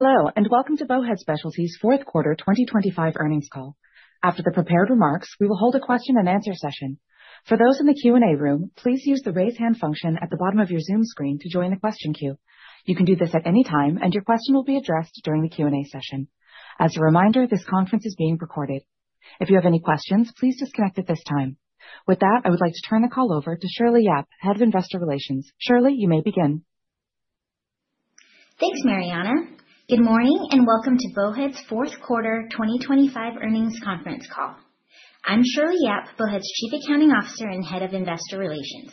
Hello, and welcome to Bowhead Specialty's fourth quarter 2025 earnings call. After the prepared remarks, we will hold a question-and-answer session. For those in the Q&A room, please use the Raise Hand function at the bottom of your Zoom screen to join the question queue. You can do this at any time, and your question will be addressed during the Q&A session. As a reminder, this conference is being recorded. If you have any questions, please disconnect at this time. With that, I would like to turn the call over to Shirley Yap, Head of Investor Relations. Shirley, you may begin. Thanks, Mariana. Good morning, welcome to Bowhead's fourth quarter 2025 earnings conference call. I'm Shirley Yap, Bowhead's Chief Accounting Officer and Head of Investor Relations.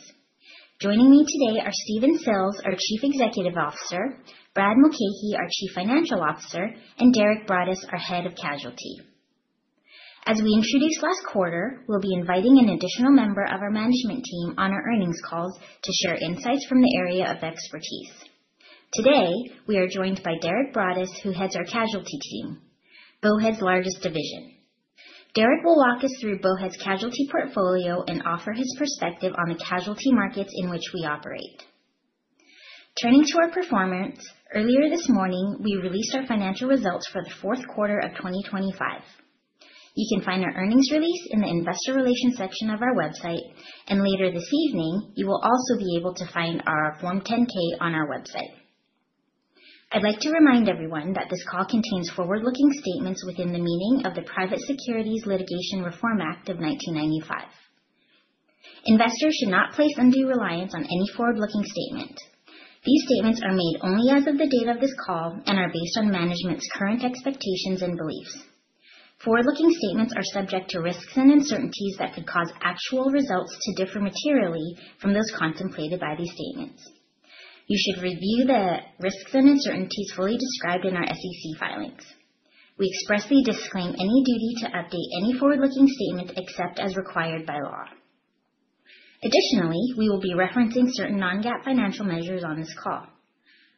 Joining me today are Stephen Sills, our Chief Executive Officer, Brad Mulcahey, our Chief Financial Officer, and Derek Broaddus, our Head of Casualty. As we introduced last quarter, we'll be inviting an additional member of our management team on our earnings calls to share insights from the area of expertise. Today, we are joined by Derek Broaddus, who heads our casualty team, Bowhead's largest division. Derek will walk us through Bowhead's casualty portfolio and offer his perspective on the casualty markets in which we operate. Turning to our performance, earlier this morning, we released our financial results for the fourth quarter of 2025. You can find our earnings release in the investor relations section of our website, and later this evening, you will also be able to find our Form 10-K on our website. I'd like to remind everyone that this call contains forward-looking statements within the meaning of the Private Securities Litigation Reform Act of 1995. Investors should not place undue reliance on any forward-looking statement. These statements are made only as of the date of this call and are based on management's current expectations and beliefs. Forward-looking statements are subject to risks and uncertainties that could cause actual results to differ materially from those contemplated by these statements. You should review the risks and uncertainties fully described in our SEC filings. We expressly disclaim any duty to update any forward-looking statements except as required by law. Additionally, we will be referencing certain non-GAAP financial measures on this call.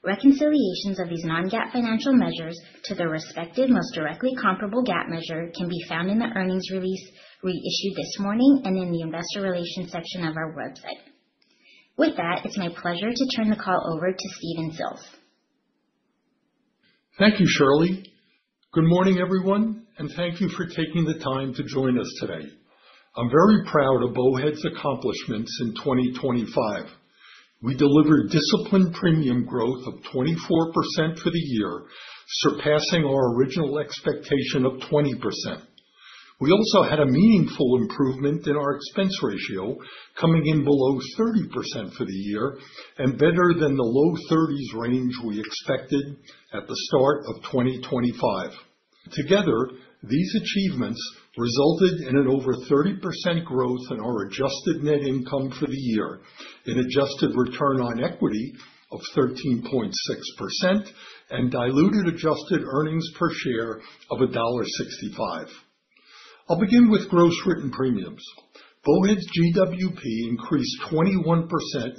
Reconciliations of these non-GAAP financial measures to their respective most directly comparable GAAP measure can be found in the earnings release we issued this morning and in the investor relations section of our website. With that, it's my pleasure to turn the call over to Stephen Sills. Thank you, Shirley. Good morning, everyone, and thank you for taking the time to join us today. I'm very proud of Bowhead's accomplishments in 2025. We delivered disciplined premium growth of 24% for the year, surpassing our original expectation of 20%. We also had a meaningful improvement in our expense ratio, coming in below 30% for the year and better than the low 30s range we expected at the start of 2025. Together, these achievements resulted in an over 30% growth in our adjusted net income for the year, an adjusted return on equity of 13.6%, and diluted adjusted earnings per share of $1.65. I'll begin with gross written premiums. Bowhead's GWP increased 21%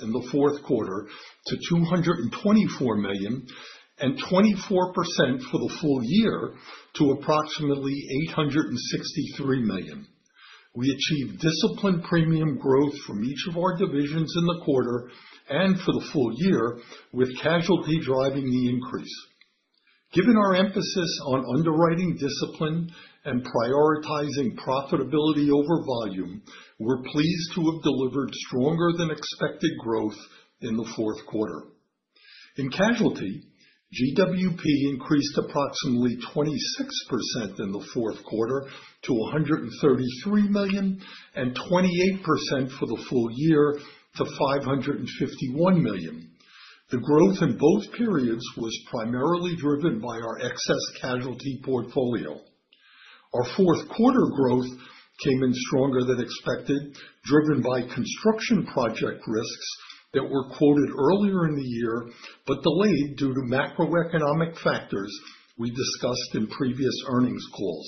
in the fourth quarter to $224 million, and 24% for the full year to approximately $863 million. We achieved disciplined premium growth from each of our divisions in the quarter and for the full year, with casualty driving the increase. Given our emphasis on underwriting discipline and prioritizing profitability over volume, we're pleased to have delivered stronger than expected growth in the fourth quarter. In casualty, GWP increased approximately 26% in the fourth quarter to $133 million, and 28% for the full year to $551 million. The growth in both periods was primarily driven by our excess casualty portfolio. Our fourth quarter growth came in stronger than expected, driven by construction project risks that were quoted earlier in the year but delayed due to macroeconomic factors we discussed in previous earnings calls.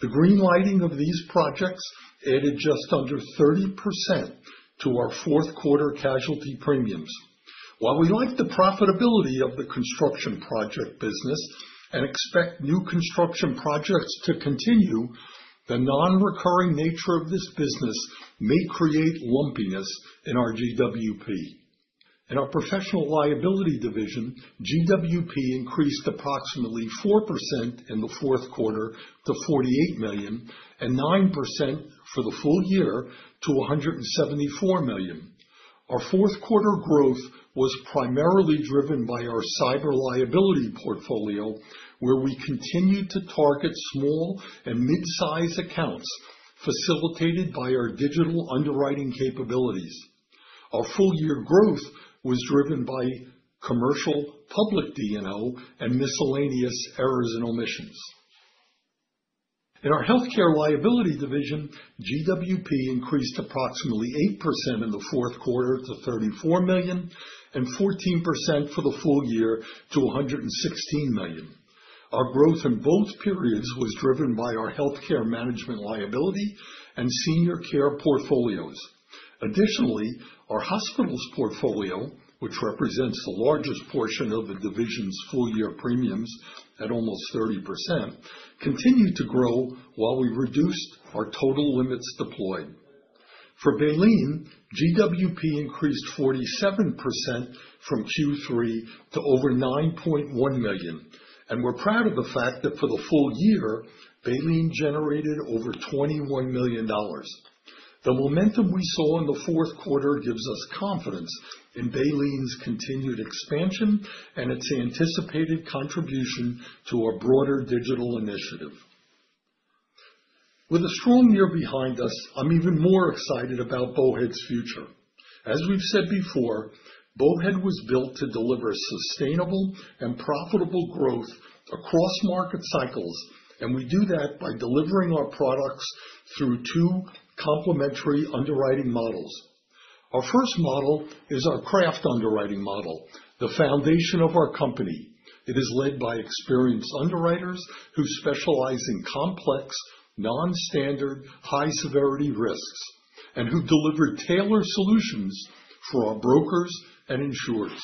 The green lighting of these projects added just under 30% to our fourth quarter casualty premiums. While we like the profitability of the construction project business and expect new construction projects to continue, the non-recurring nature of this business may create lumpiness in our GWP. In our professional liability division, GWP increased approximately 4% in the fourth quarter to $48 million and 9% for the full year to $174 million. Our fourth quarter growth was primarily driven by our cyber liability portfolio, where we continued to target small and mid-size accounts, facilitated by our digital underwriting capabilities. Our full year growth was driven by commercial, public D&O, and miscellaneous errors and omissions. In our healthcare liability division, GWP increased approximately 8% in the fourth quarter to $34 million and 14% for the full year to $116 million. Our growth in both periods was driven by our healthcare management liability and senior care portfolios. Additionally, our hospitals portfolio, which represents the largest portion of the division's full year premiums at almost 30%, continued to grow while we reduced our total limits deployed. For Baleen, GWP increased 47% from Q3 to over $9.1 million. We're proud of the fact that for the full year, Baleen generated over $21 million. The momentum we saw in the fourth quarter gives us confidence in Baleen's continued expansion and its anticipated contribution to our broader digital initiative. With a strong year behind us, I'm even more excited about Bowhead's future. As we've said before, Bowhead was built to deliver sustainable and profitable growth across market cycles. We do that by delivering our products through two complementary underwriting models. Our first model is our craft underwriting model, the foundation of our company. It is led by experienced underwriters who specialize in complex, non-standard, high-severity risks, and who deliver tailored solutions for our brokers and insurers.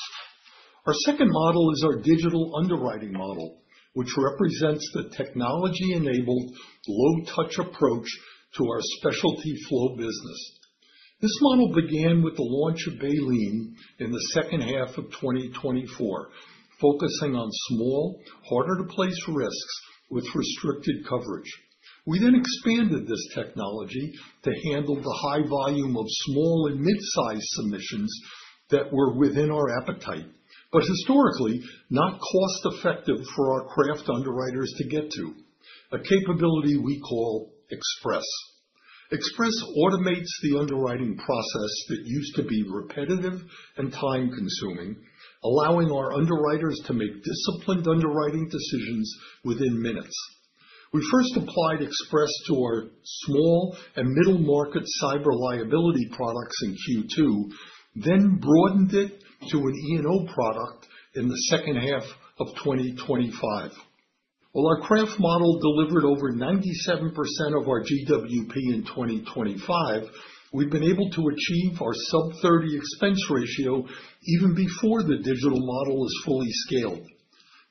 Our second model is our digital underwriting model, which represents the technology-enabled, low-touch approach to our specialty flow business. This model began with the launch of Baleen in the second half of 2024, focusing on small, harder-to-place risks with restricted coverage. We expanded this technology to handle the high volume of small and mid-sized submissions that were within our appetite, but historically, not cost-effective for our craft underwriters to get to, a capability we call Express. Express automates the underwriting process that used to be repetitive and time-consuming, allowing our underwriters to make disciplined underwriting decisions within minutes. We first applied Express to our small and middle market cyber liability products in Q2, then broadened it to an E&O product in the second half of 2025. While our craft model delivered over 97% of our GWP in 2025, we've been able to achieve our sub 30 expense ratio even before the digital model is fully scaled.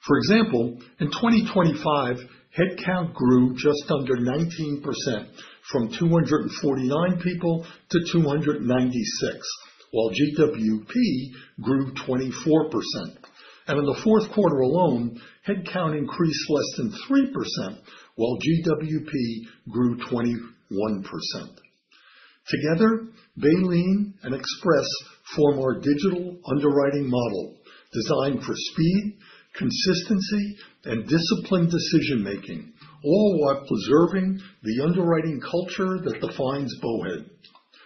For example, in 2025, headcount grew just under 19%, from 249 people to 296, while GWP grew 24%. In the fourth quarter alone, headcount increased less than 3%, while GWP grew 21%. Together, Baleen and Express form our digital underwriting model, designed for speed, consistency, and disciplined decision-making, all while preserving the underwriting culture that defines Bowhead.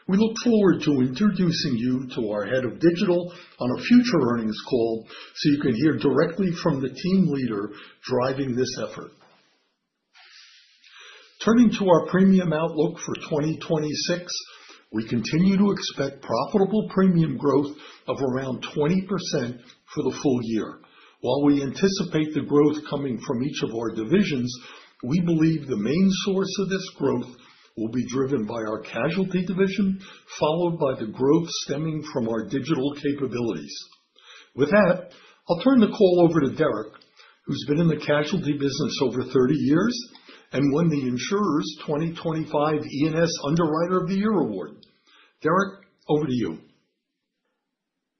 We look forward to introducing you to our head of digital on a future earnings call, so you can hear directly from the team leader driving this effort. Turning to our premium outlook for 2026, we continue to expect profitable premium growth of around 20% for the full year. While we anticipate the growth coming from each of our divisions, we believe the main source of this growth will be driven by our casualty division, followed by the growth stemming from our digital capabilities. With that, I'll turn the call over to Derek, who's been in the casualty business over 30 years and won The Insurer's 2025 E&S Underwriter of the Year award. Derek, over to you.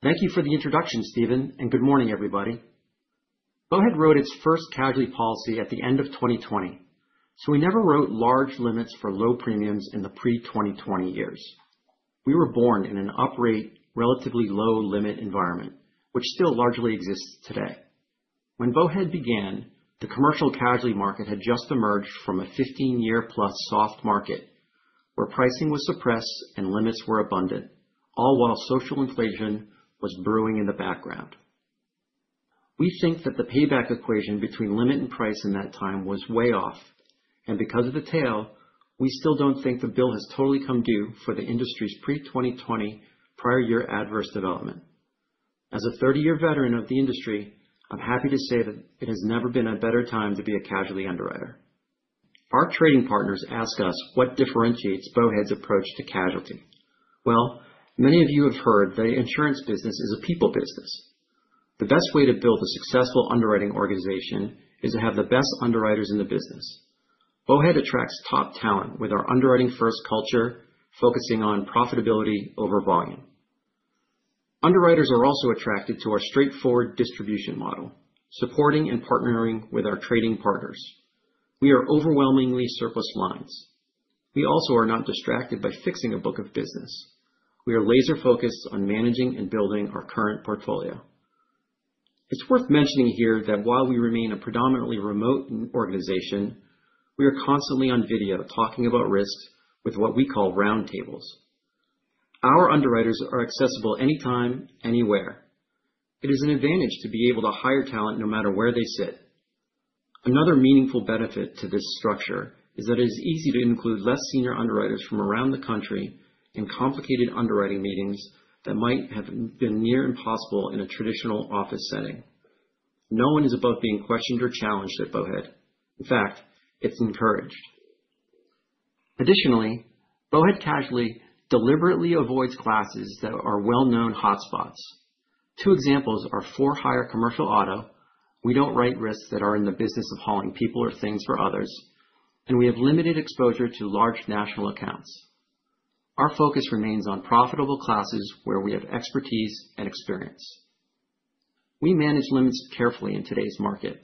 Thank you for the introduction, Stephen Sills. Good morning, everybody. Bowhead wrote its first casualty policy at the end of 2020. We never wrote large limits for low premiums in the pre-2020 years. We were born in an uprate, relatively low-limit environment, which still largely exists today. When Bowhead began, the commercial casualty market had just emerged from a 15-year-plus soft market, where pricing was suppressed and limits were abundant, all while social inflation was brewing in the background. We think that the payback equation between limit and price in that time was way off. Because of the tail, we still don't think the bill has totally come due for the industry's pre-2020 prior year adverse development. As a 30-year veteran of the industry, I'm happy to say that it has never been a better time to be a casualty underwriter. Our trading partners ask us what differentiates Bowhead's approach to casualty. Well, many of you have heard the insurance business is a people business. The best way to build a successful underwriting organization is to have the best underwriters in the business. Bowhead attracts top talent with our underwriting-first culture, focusing on profitability over volume. Underwriters are also attracted to our straightforward distribution model, supporting and partnering with our trading partners. We are overwhelmingly surplus lines. We also are not distracted by fixing a book of business. We are laser-focused on managing and building our current portfolio. It's worth mentioning here that while we remain a predominantly remote organization, we are constantly on video, talking about risks with what we call roundtables. Our underwriters are accessible anytime, anywhere. It is an advantage to be able to hire talent, no matter where they sit. Another meaningful benefit to this structure is that it is easy to include less senior underwriters from around the country in complicated underwriting meetings that might have been near impossible in a traditional office setting. No one is above being questioned or challenged at Bowhead. In fact, it's encouraged. Bowhead Casualty deliberately avoids classes that are well-known hotspots. Two examples are for higher commercial auto. We don't write risks that are in the business of hauling people or things for others, and we have limited exposure to large national accounts. Our focus remains on profitable classes where we have expertise and experience. We manage limits carefully in today's market.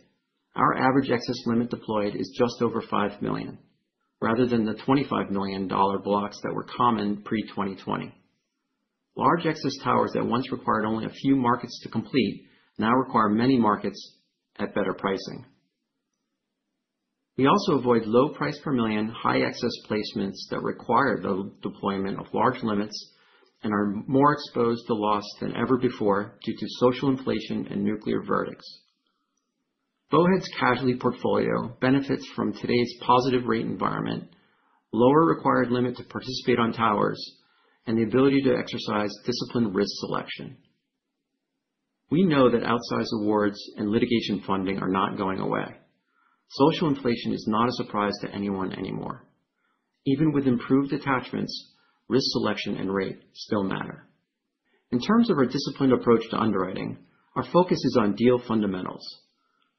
Our average excess limit deployed is just over $5 million, rather than the $25 million blocks that were common pre-2020. Large excess towers that once required only a few markets to complete, now require many markets at better pricing. We also avoid low price per million, high excess placements that require the deployment of large limits, and are more exposed to loss than ever before due to social inflation and nuclear verdicts. Bowhead's casualty portfolio benefits from today's positive rate environment, lower required limit to participate on towers, and the ability to exercise disciplined risk selection. We know that outsized awards and litigation funding are not going away. Social inflation is not a surprise to anyone anymore. Even with improved attachments, risk selection and rate still matter. In terms of our disciplined approach to underwriting, our focus is on deal fundamentals.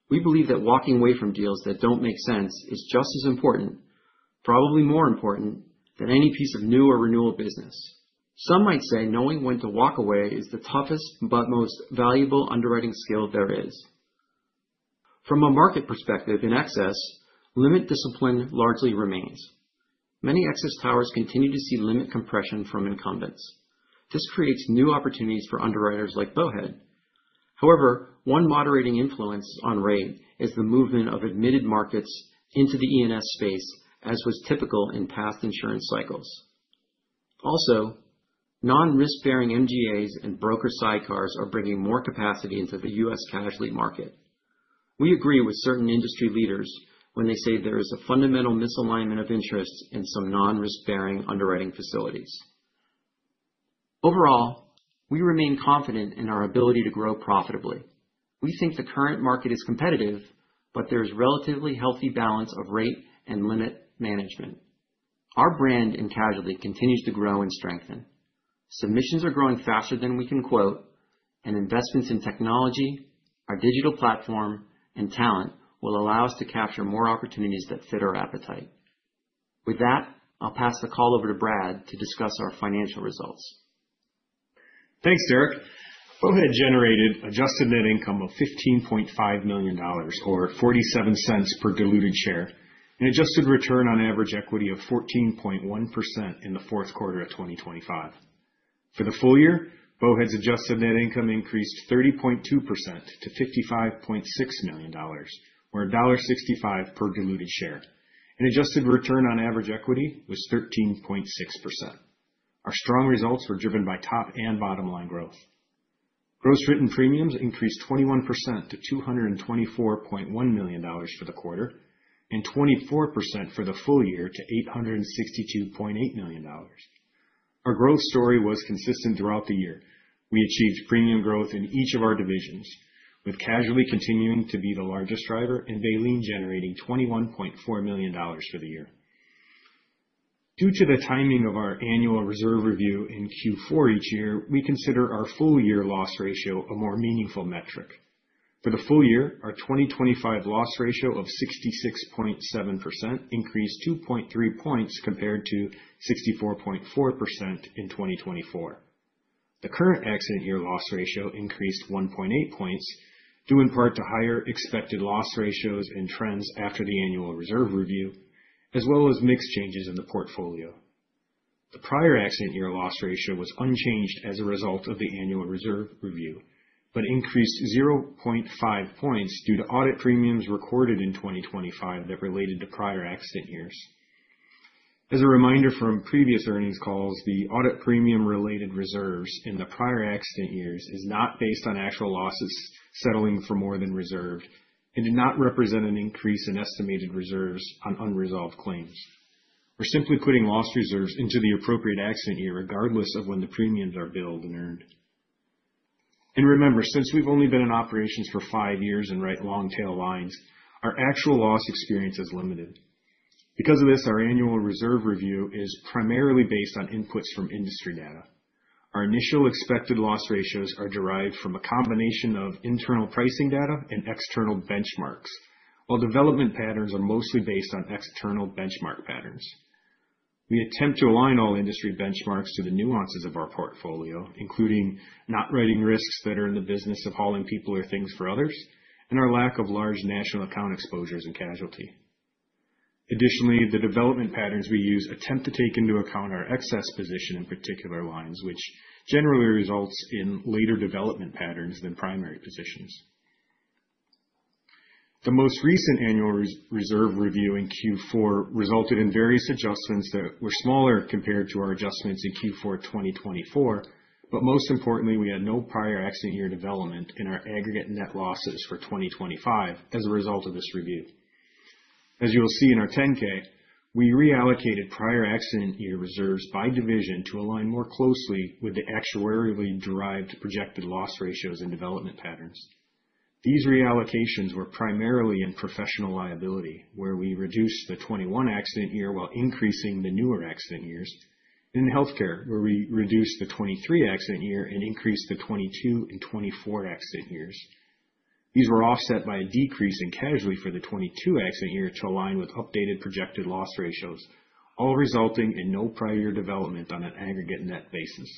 We believe that walking away from deals that don't make sense is just as important, probably more important, than any piece of new or renewal business. Some might say knowing when to walk away is the toughest but most valuable underwriting skill there is. From a market perspective, in excess, limit discipline largely remains. Many excess towers continue to see limit compression from incumbents. This creates new opportunities for underwriters like Bowhead. However, one moderating influence on rate is the movement of admitted markets into the E&S space, as was typical in past insurance cycles. Non-risk-bearing MGAs and broker sidecars are bringing more capacity into the US casualty market. We agree with certain industry leaders when they say there is a fundamental misalignment of interests in some non-risk-bearing underwriting facilities. Overall, we remain confident in our ability to grow profitably. We think the current market is competitive, but there is relatively healthy balance of rate and limit management. Our brand in casualty continues to grow and strengthen. Submissions are growing faster than we can quote. Investments in technology, our digital platform, and talent will allow us to capture more opportunities that fit our appetite. With that, I'll pass the call over to Brad to discuss our financial results. Thanks, Derek. Bowhead generated adjusted net income of $15.5 million, or $0.47 per diluted share, an adjusted return on average equity of 14.1% in the 4Q 2025. For the full year, Bowhead's adjusted net income increased 30.2% to $55.6 million, or $1.65 per diluted share. An adjusted return on average equity was 13.6%. Our strong results were driven by top and bottom line growth. Gross written premiums increased 21% to $224.1 million for the quarter, and 24% for the full year to $862.8 million. Our growth story was consistent throughout the year. We achieved premium growth in each of our divisions, with casualty continuing to be the largest driver and Baleen generating $21.4 million for the year. Due to the timing of our annual reserve review in Q4 each year, we consider our full year loss ratio a more meaningful metric. For the full year, our 2025 loss ratio of 66.7% increased 2.3 points compared to 64.4% in 2024. The current accident year loss ratio increased 1.8 points, due in part to higher expected loss ratios and trends after the annual reserve review, as well as mix changes in the portfolio. The prior accident year loss ratio was unchanged as a result of the annual reserve review, but increased 0.5 points due to audit premiums recorded in 2025 that related to prior accident years. As a reminder from previous earnings calls, the audit premium-related reserves in the prior accident years is not based on actual losses settling for more than reserved and do not represent an increase in estimated reserves on unresolved claims. We're simply putting loss reserves into the appropriate accident year, regardless of when the premiums are billed and earned. Remember, since we've only been in operations for 5 years and write long tail lines, our actual loss experience is limited. Because of this, our annual reserve review is primarily based on inputs from industry data. Our initial expected loss ratios are derived from a combination of internal pricing data and external benchmarks, while development patterns are mostly based on external benchmark patterns. We attempt to align all industry benchmarks to the nuances of our portfolio, including not writing risks that are in the business of hauling people or things for others, and our lack of large national account exposures and casualty. Additionally, the development patterns we use attempt to take into account our excess position in particular lines, which generally results in later development patterns than primary positions. The most recent annual reserve review in Q4 resulted in various adjustments that were smaller compared to our adjustments in Q4 2024, but most importantly, we had no prior accident year development in our aggregate net losses for 2025 as a result of this review. As you will see in our 10-K, we reallocated prior accident year reserves by division to align more closely with the actuarially derived projected loss ratios and development patterns. These reallocations were primarily in professional liability, where we reduced the 2021 accident year while increasing the newer accident years, and in healthcare, where we reduced the 2023 accident year and increased the 2022 and 2024 accident years. These were offset by a decrease in casualty for the 2022 accident year to align with updated projected loss ratios, all resulting in no prior year development on an aggregate net basis.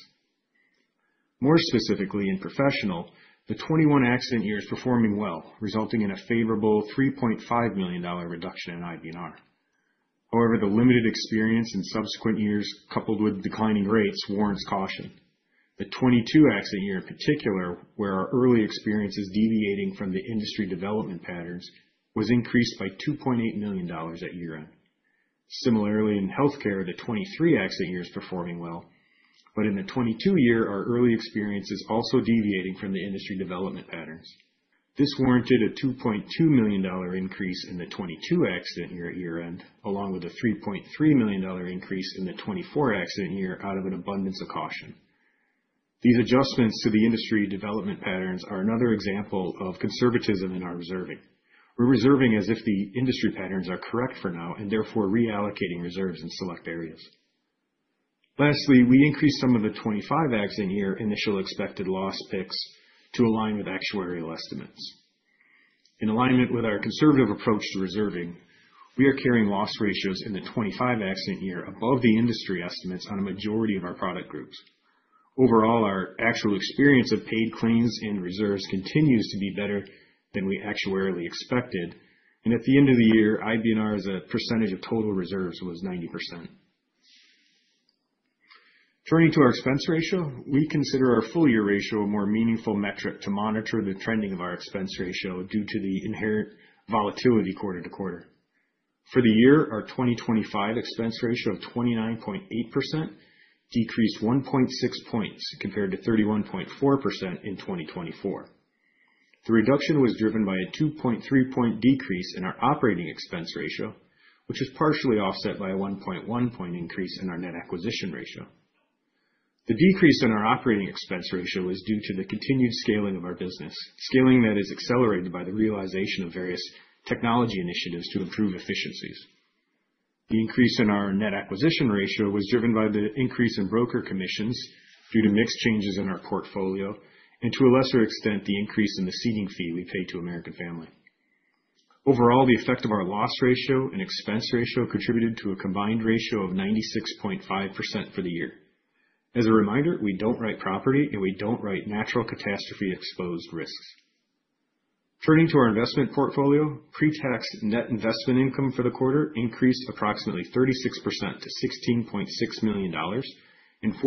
More specifically, in professional, the 2021 accident year is performing well, resulting in a favorable $3.5 million reduction in IBNR. The limited experience in subsequent years, coupled with declining rates, warrants caution. The 2022 accident year, in particular, where our early experience is deviating from the industry development patterns, was increased by $2.8 million at year-end. Similarly, in healthcare, the 2023 accident year is performing well, but in the 2022 year, our early experience is also deviating from the industry development patterns. This warranted a $2.2 million increase in the 2022 accident year at year-end, along with a $3.3 million increase in the 2024 accident year out of an abundance of caution. These adjustments to the industry development patterns are another example of conservatism in our reserving. We're reserving as if the industry patterns are correct for now, and therefore reallocating reserves in select areas. Lastly, we increased some of the 2025 accident year initial expected loss picks to align with actuarial estimates. In alignment with our conservative approach to reserving, we are carrying loss ratios in the 25 accident year above the industry estimates on a majority of our product groups. Overall, our actual experience of paid claims and reserves continues to be better than we actuarially expected, and at the end of the year, IBNR, as a percentage of total reserves, was 90%. Turning to our expense ratio, we consider our full year ratio a more meaningful metric to monitor the trending of our expense ratio due to the inherent volatility quarter to quarter. For the year, our 2025 expense ratio of 29.8% decreased 1.6 points compared to 31.4% in 2024. The reduction was driven by a 2.3 point decrease in our operating expense ratio, which was partially offset by a 1.1 point increase in our net acquisition ratio. The decrease in our operating expense ratio was due to the continued scaling of our business, scaling that is accelerated by the realization of various technology initiatives to improve efficiencies. The increase in our net acquisition ratio was driven by the increase in broker commissions due to mix changes in our portfolio, and to a lesser extent, the increase in the ceding fee we paid to American Family. Overall, the effect of our loss ratio and expense ratio contributed to a combined ratio of 96.5% for the year. As a reminder, we don't write property, and we don't write natural catastrophe-exposed risks. Turning to our investment portfolio, pre-tax net investment income for the quarter increased approximately 36% to $16.6 million, and 44%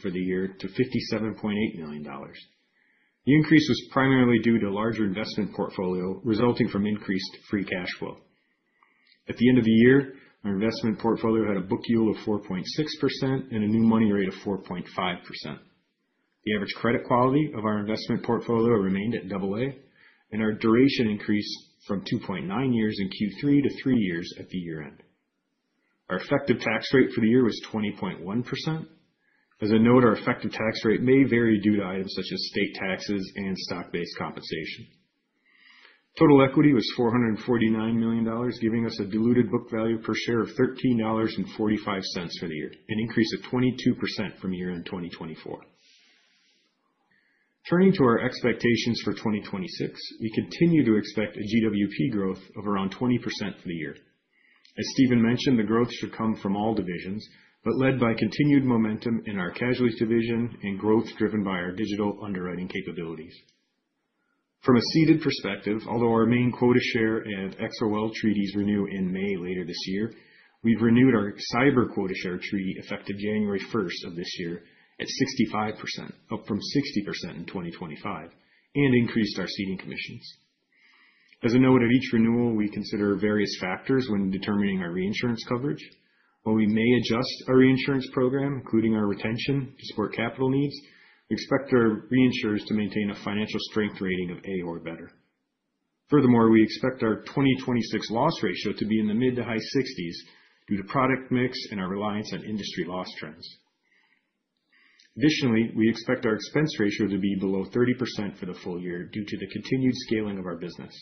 for the year to $57.8 million. The increase was primarily due to larger investment portfolio, resulting from increased free cash flow. At the end of the year, our investment portfolio had a book yield of 4.6% and a new money rate of 4.5%. The average credit quality of our investment portfolio remained at AA, and our duration increased from 2.9 years in Q3 to 3 years at the year-end. Our effective tax rate for the year was 20.1%. As a note, our effective tax rate may vary due to items such as state taxes and stock-based compensation. Total equity was $449 million, giving us a diluted book value per share of $13.45 for the year, an increase of 22% from year-end 2024. Turning to our expectations for 2026, we continue to expect a GWP growth of around 20% for the year. As Stephen Sills mentioned, the growth should come from all divisions, led by continued momentum in our casualty division and growth driven by our digital underwriting capabilities. From a ceded perspective, although our main quota share and XOL treaties renew in May later this year, we've renewed our cyber quota share treaty, effective January 1 of this year at 65%, up from 60% in 2025, and increased our ceding commissions. As a note, at each renewal, we consider various factors when determining our reinsurance coverage. While we may adjust our reinsurance program, including our retention, to support capital needs, we expect our reinsurers to maintain a financial strength rating of A or better. We expect our 2026 loss ratio to be in the mid to high 60s due to product mix and our reliance on industry loss trends. We expect our expense ratio to be below 30% for the full year due to the continued scaling of our business,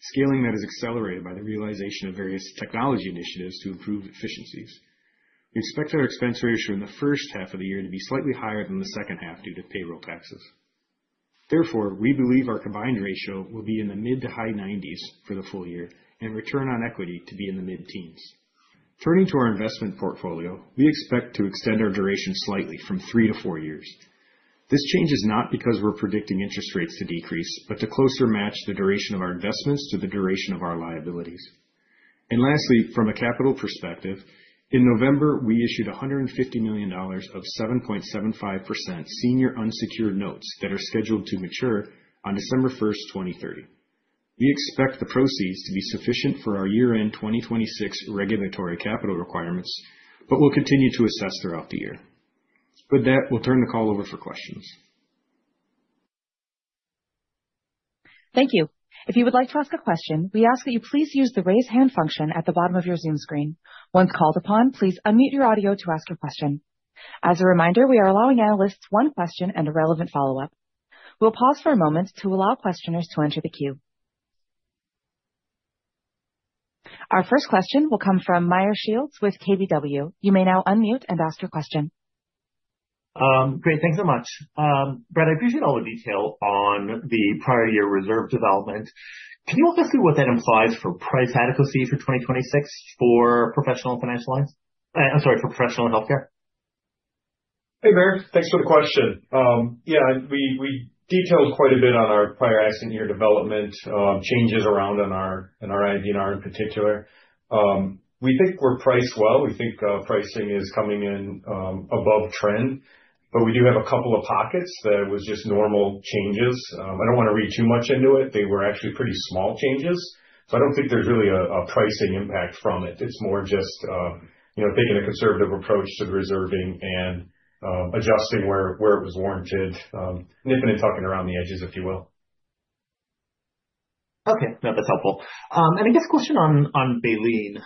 scaling that is accelerated by the realization of various technology initiatives to improve efficiencies. We expect our expense ratio in the 1st half of the year to be slightly higher than the 2nd half due to payroll taxes. We believe our combined ratio will be in the mid to high 90s for the full year and return on equity to be in the mid-teens. Turning to our investment portfolio, we expect to extend our duration slightly from three to four years. This change is not because we're predicting interest rates to decrease, but to closer match the duration of our investments to the duration of our liabilities. From a capital perspective, in November, we issued $150 million of 7.75% senior unsecured notes that are scheduled to mature on December 1, 2030. We expect the proceeds to be sufficient for our year-end 2026 regulatory capital requirements, but we'll continue to assess throughout the year. With that, we'll turn the call over for questions. Thank you. If you would like to ask a question, we ask that you please use the Raise Hand function at the bottom of your Zoom screen. Once called upon, please unmute your audio to ask a question. As a reminder, we are allowing analysts one question and a relevant follow-up. We'll pause for a moment to allow questioners to enter the queue. Our first question will come from Meyer Shields with KBW. You may now unmute and ask your question. Great. Thanks so much. Brad, I appreciate all the detail on the prior year reserve development. Can you walk us through what that implies for price adequacy for 2026 for professional financial lines? I'm sorry, for professional and healthcare? Hey, Meyer, thanks for the question. Yeah, we detailed quite a bit on our prior accident year development, changes around in our IBNR in particular. We think we're priced well. We think pricing is coming in above trend, but we do have a couple of pockets that it was just normal changes. I don't want to read too much into it. They were actually pretty small changes, so I don't think there's really a pricing impact from it. It's more just, you know, taking a conservative approach to the reserving and adjusting where it was warranted. Nipping and tucking around the edges, if you will. Okay. No, that's helpful. I guess question on Baleen.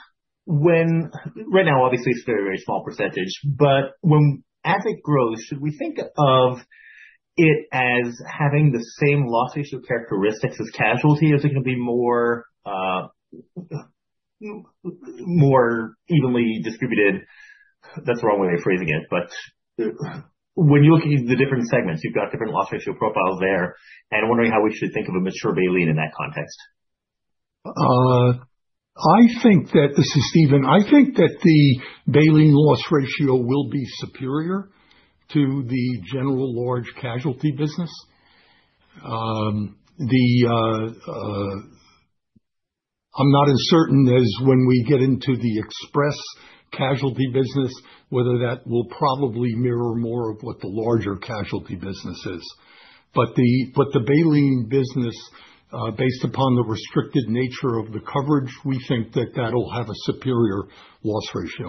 Right now, obviously, it's a very, very small percentage, but when, as it grows, should we think of it as having the same loss ratio characteristics as casualty, or is it gonna be more evenly distributed? That's the wrong way of phrasing it, but when you're looking at the different segments, you've got different loss ratio profiles there, and I'm wondering how we should think of a mature Baleen in that context. I think that, this is Stephen. I think that the Baleen loss ratio will be superior to the general large casualty business. The, I'm not as certain as when we get into the Express casualty business, whether that will probably mirror more of what the larger casualty business is. The Baleen business, based upon the restricted nature of the coverage, we think that that'll have a superior loss ratio.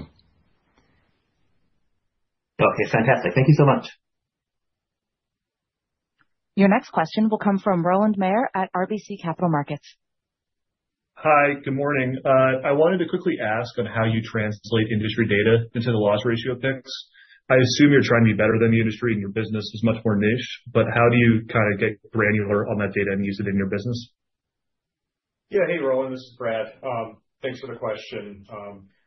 Okay. Fantastic. Thank you so much. Your next question will come from Roland Mayer at RBC Capital Markets. Hi, good morning. I wanted to quickly ask on how you translate industry data into the loss ratio picks. I assume you're trying to be better than the industry, and your business is much more niche, but how do you kind of get granular on that data and use it in your business? Hey, Roland, this is Brad. Thanks for the question.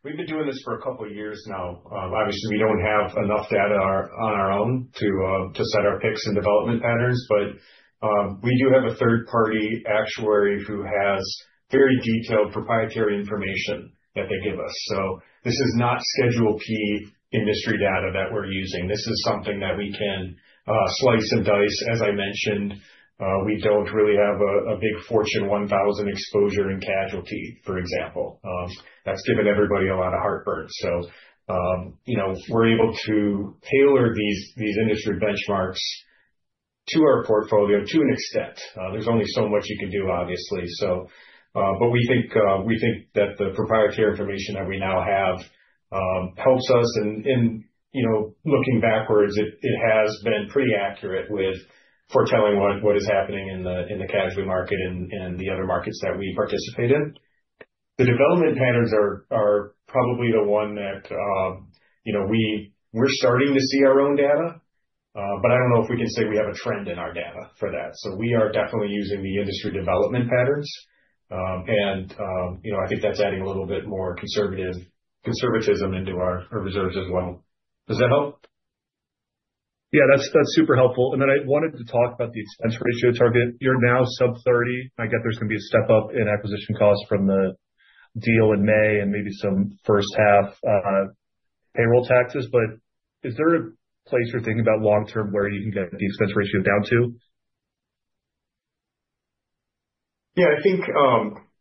We've been doing this for a couple of years now. Obviously, we don't have enough data on our, on our own to set our picks and development patterns, but we do have a third-party actuary who has very detailed proprietary information that they give us. This is not Schedule P industry data that we're using. This is something that we can slice and dice. As I mentioned, we don't really have a big Fortune 1000 exposure in casualty, for example. That's given everybody a lot of heartburn. You know, we're able to tailor these industry benchmarks to our portfolio to an extent. There's only so much you can do, obviously, so, but we think that the proprietary information that we now have helps us and, you know, looking backwards, it has been pretty accurate with foretelling what is happening in the casualty market and the other markets that we participate in. The development patterns are probably the one that, you know, we're starting to see our own data, but I don't know if we can say we have a trend in our data for that. We are definitely using the industry development patterns. And, you know, I think that's adding a little bit more conservatism into our reserves as well. Does that help? Yeah, that's super helpful. I wanted to talk about the expense ratio target. You're now sub-30. I get there's going to be a step up in acquisition costs from the deal in May and maybe some first half payroll taxes, but is there a place you're thinking about long term where you can get the expense ratio down to? I think,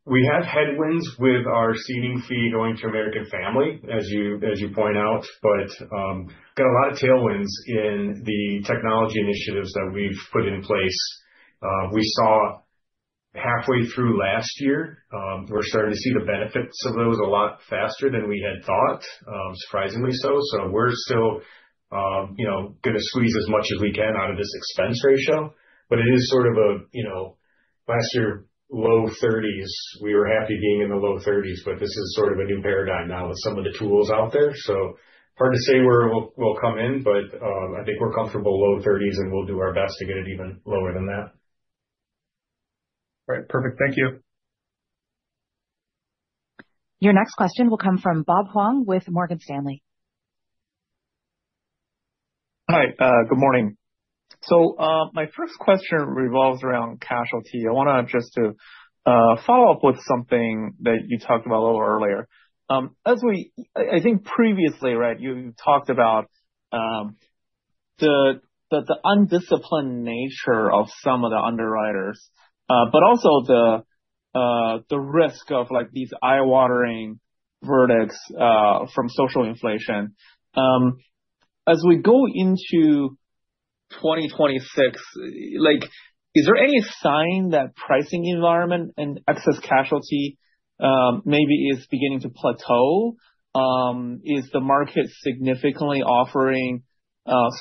we have headwinds with our ceding fee going to American Family, as you point out. Got a lot of tailwinds in the technology initiatives that we've put in place. We saw halfway through last year, we're starting to see the benefits of those a lot faster than we had thought, surprisingly so. We're still, you know, going to squeeze as much as we can out of this expense ratio, but it is sort of a, you know, last year, low thirties, we were happy being in the low thirties, but this is sort of a new paradigm now with some of the tools out there. Hard to say where we'll come in. I think we're comfortable low thirties, and we'll do our best to get it even lower than that. All right. Perfect. Thank you. Your next question will come from Bob Huang with Morgan Stanley. Hi. Good morning. My first question revolves around casualty. I want to just follow up with something that you talked about a little earlier. I think previously, right, you talked about the undisciplined nature of some of the underwriters, but also the risk of, like, these eye-watering verdicts from social inflation. As we go into 2026, like, is there any sign that pricing environment and excess casualty maybe is beginning to plateau? Is the market significantly offering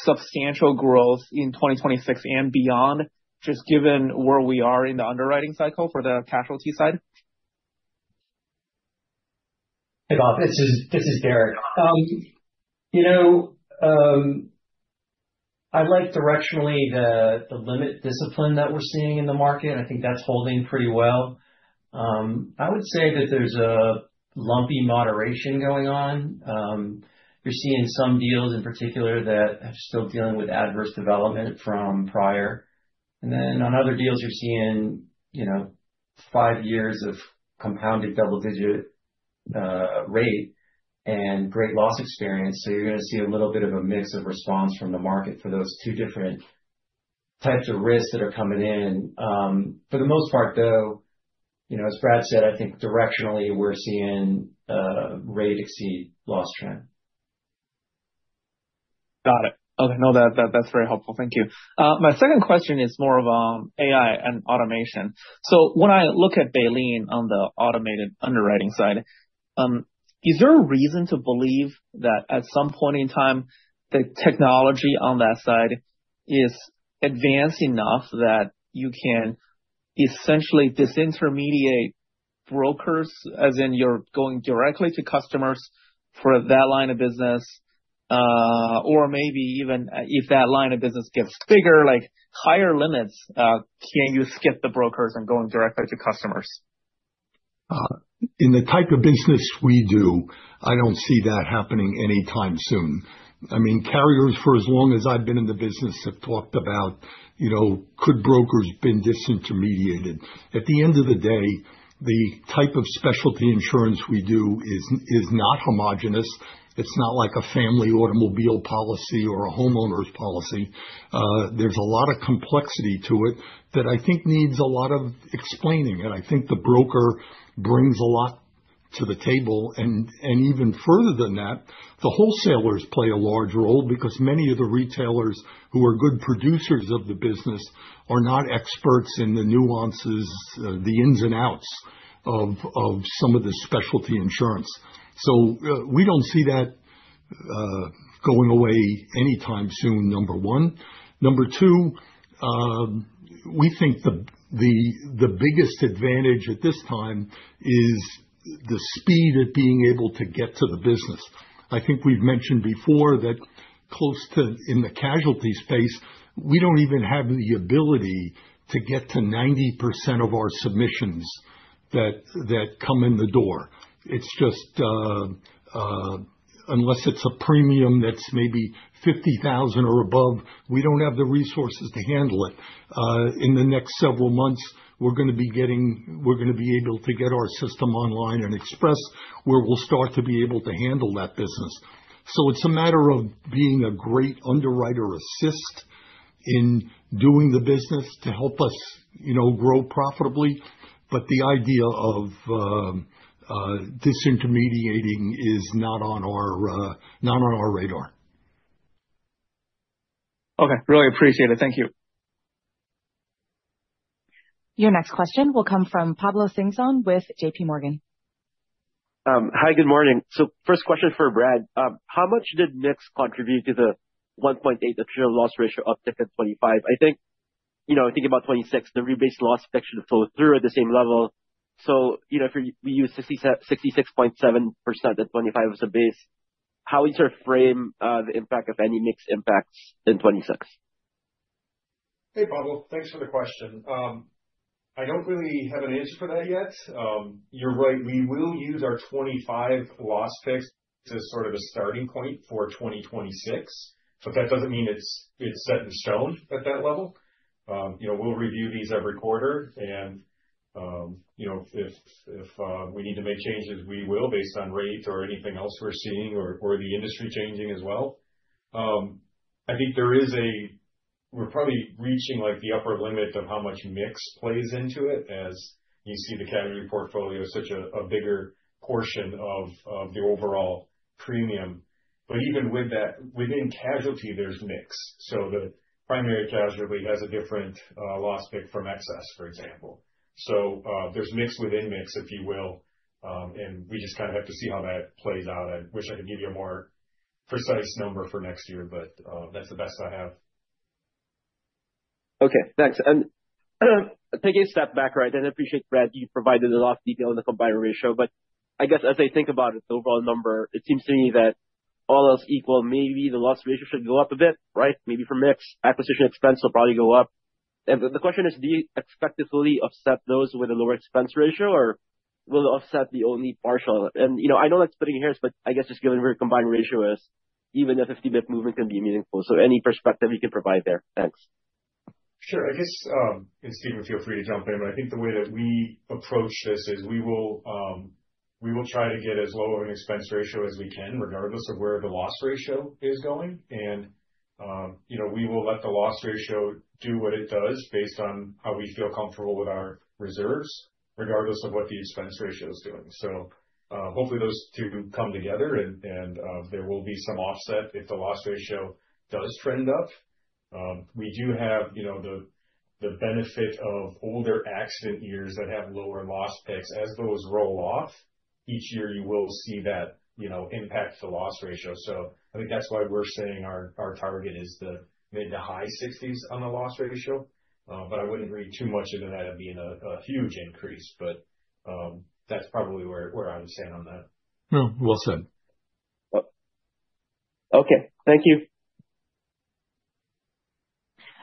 substantial growth in 2026 and beyond, just given where we are in the underwriting cycle for the casualty side? Hey, Bob, this is Derek. You know, I like directionally the limit discipline that we're seeing in the market. I think that's holding pretty well. I would say that there's a lumpy moderation going on. You're seeing some deals in particular that are still dealing with adverse development from prior. On other deals, you're seeing, you know, five years of compounded double-digit rate and great loss experience. You're gonna see a little bit of a mix of response from the market for those two different types of risks that are coming in. For the most part, though, you know, as Brad said, I think directionally, we're seeing rate exceed loss trend. Got it. Okay, no, that's very helpful. Thank you. My second question is more of AI and automation. When I look at Baleen on the automated underwriting side, is there a reason to believe that at some point in time, the technology on that side is advanced enough that you can essentially disintermediate brokers, as in you're going directly to customers for that line of business? Or maybe even if that line of business gets bigger, like higher limits, can you skip the brokers and going directly to customers? In the type of business we do, I don't see that happening anytime soon. I mean, carriers, for as long as I've been in the business, have talked about, you know, could brokers been disintermediated? At the end of the day, the type of specialty insurance we do is not homogenous. It's not like a family automobile policy or a homeowner's policy. There's a lot of complexity to it that I think needs a lot of explaining, I think the broker brings a lot to the table. Even further than that, the wholesalers play a large role because many of the retailers who are good producers of the business are not experts in the nuances, the ins and outs of some of the specialty insurance. We don't see that going away anytime soon, number one. Number two, we think the biggest advantage at this time is the speed at being able to get to the business. I think we've mentioned before that close to... in the casualty space, we don't even have the ability to get to 90% of our submissions that come in the door. It's just, unless it's a premium that's maybe $50,000 or above, we don't have the resources to handle it. In the next several months, we're gonna be able to get our system online and Express, where we'll start to be able to handle that business. It's a matter of being a great underwriter assist in doing the business to help us, you know, grow profitably. The idea of disintermediating is not on our radar. Okay. Really appreciate it. Thank you. Your next question will come from Pablo Singzon with JPMorgan. Hi, good morning. First question for Brad. How much did mix contribute to the 1.8 actual loss ratio uptick in 2025? I think, you know, thinking about 2026, the rebase loss fix should flow through at the same level. If we use 66.7% at 2025 as a base, how would you frame the impact of any mix impacts in 2026? Hey, Pablo, thanks for the question. I don't really have an answer for that yet. You're right, we will use our 25 loss pick as sort of a starting point for 2026, but that doesn't mean it's set in stone at that level. You know, we'll review these every quarter, and, you know, if we need to make changes, we will, based on rates or anything else we're seeing or the industry changing as well. I think there is a We're probably reaching, like, the upper limit of how much mix plays into it, as you see the casualty portfolio is such a bigger portion of the overall premium. Even with that, within casualty, there's mix. The primary casualty has a different loss pick from excess, for example. There's mix within mix, if you will. We just kind of have to see how that plays out. I wish I could give you a more precise number for next year. That's the best I have. Okay. Thanks. Taking a step back, right, I appreciate, Brad, you provided a lot of detail on the combined ratio. I guess as I think about it, the overall number, it seems to me that all else equal, maybe the loss ratio should go up a bit, right? Maybe for mix, acquisition expense will probably go up. The question is: do you expect to fully offset those with a lower expense ratio, or will it offset the only partial? You know, I know that's splitting hairs, but I guess just given where the combined ratio is, even a 50 basis point movement can be meaningful. Any perspective you can provide there? Thanks. Sure. I guess, Stephen, feel free to jump in, but I think the way that we approach this is we will try to get as low of an expense ratio as we can, regardless of where the loss ratio is going. You know, we will let the loss ratio do what it does based on how we feel comfortable with our reserves, regardless of what the expense ratio is doing. Hopefully, those two come together, and there will be some offset if the loss ratio does trend up. We do have, you know, the benefit of older accident years that have lower loss picks. As those roll off, each year, you will see that, you know, impact the loss ratio. I think that's why we're saying our target is the maybe the high 60s on the loss ratio. I wouldn't read too much into that, I mean, a huge increase. That's probably where I would stand on that. Well said. Yep.Okay, thank you.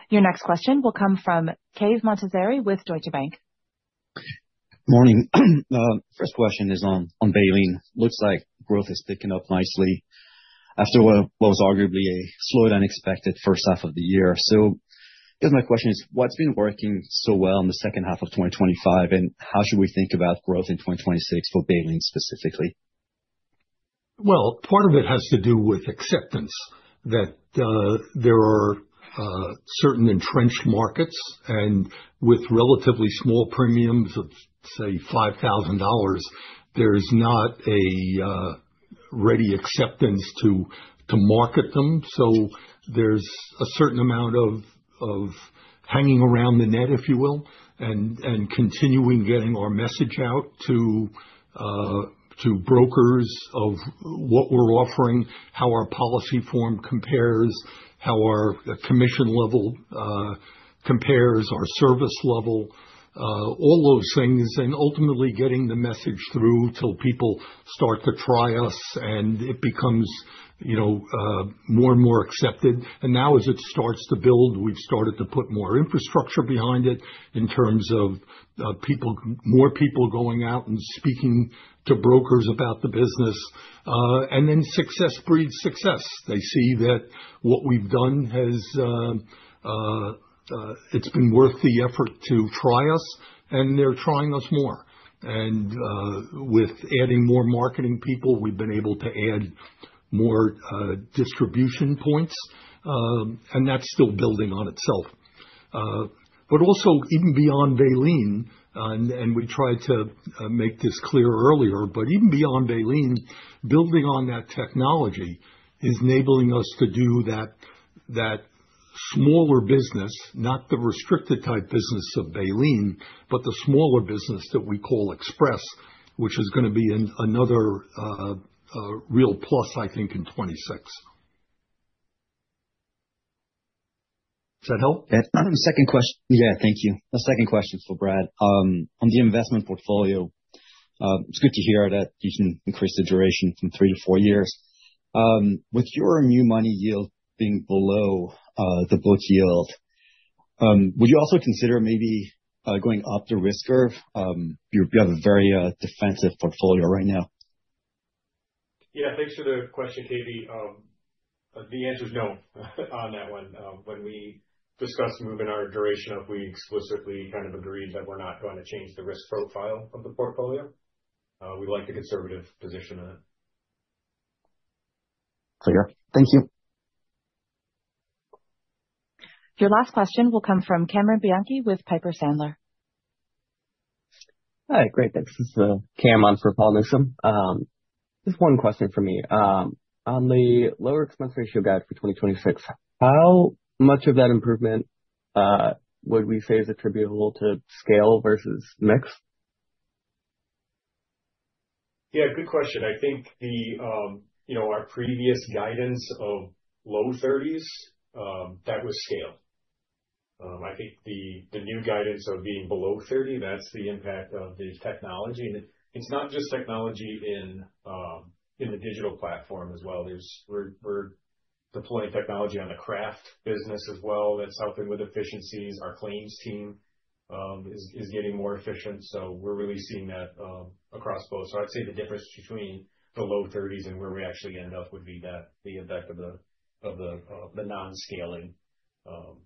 Your next question will come from Cave Montazeri with Deutsche Bank. Morning. First question is on Baleen. Looks like growth is picking up nicely after what was arguably a slower than expected first half of the year. I guess my question is, what's been working so well in the second half of 2025, and how should we think about growth in 2026 for Baleen specifically? Part of it has to do with acceptance, that there are certain entrenched markets, and with relatively small premiums of, say, $5,000, there is not a ready acceptance to market them. There's a certain amount of hanging around the net, if you will, and continuing getting our message out to brokers of what we're offering, how our policy form compares, how our commission level compares, our service level, all those things, and ultimately getting the message through till people start to try us, and it becomes, you know, more and more accepted. Now, as it starts to build, we've started to put more infrastructure behind it in terms of people, more people going out and speaking to brokers about the business. Success breeds success. They see that what we've done has, it's been worth the effort to try us. They're trying us more. With adding more marketing people, we've been able to add more distribution points, and that's still building on itself. Also even beyond Baleen, and we tried to make this clear earlier, but even beyond Baleen, building on that technology is enabling us to do that smaller business, not the restricted type business of Baleen, but the smaller business that we call Express, which is gonna be another real plus, I think, in 2026. Does that help? Yeah. Yeah, thank you. The second question is for Brad. On the investment portfolio, it's good to hear that you can increase the duration from three to four years. With your new money yield being below the book yield, would you also consider maybe going up the risk curve? You have a very defensive portfolio right now. Yeah, thanks for the question, Kaveh. The answer is no, on that one. When we discussed moving our duration up, we explicitly kind of agreed that we're not going to change the risk profile of the portfolio. We like the conservative position on it. Clear. Thank you. Your last question will come from Cameron Bianchi with Piper Sandler. Hi. Great, thanks. This is Cameron on for Paul Newsome. Just one question from me. On the lower expense ratio guide for 2026, how much of that improvement would we say is attributable to scale versus mix? Yeah, good question. I think the, you know, our previous guidance of low 30s, that was scale. I think the new guidance of being below 30, that's the impact of the technology. It, it's not just technology in the digital platform as well. We're deploying technology on the craft business as well. That's helping with efficiencies. Our claims team is getting more efficient, so we're really seeing that across both. I'd say the difference between the low 30s and where we actually end up would be that, the impact of the, of the non-scaling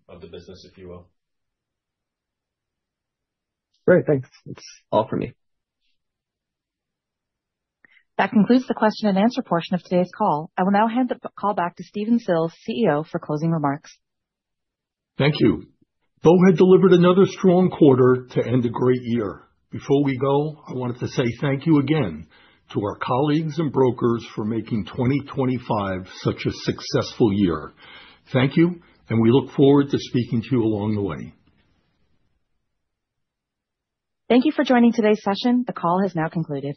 of the business, if you will. Great. Thanks. That's all for me. That concludes the question and answer portion of today's call. I will now hand the call back to Stephen Sills, CEO, for closing remarks. Thank you. We had delivered another strong quarter to end a great year. Before we go, I wanted to say thank you again to our colleagues and brokers for making 2025 such a successful year. Thank you, and we look forward to speaking to you along the way. Thank you for joining today's session. The call has now concluded.